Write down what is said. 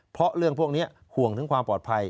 เพราะเรื่องพวกนี้ห่วงถึงความปลอดภัย